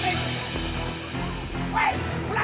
hei melari kemana